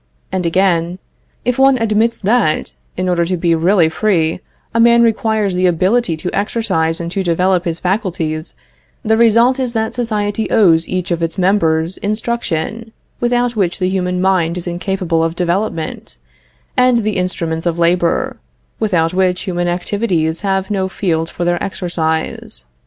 And again: "If one admits that, in order to be really free, a man requires the ability to exercise and to develop his faculties, the result is that society owes each of its members instruction, without which the human mind is incapable of development, and the instruments of labor, without which human activities have no field for their exercise.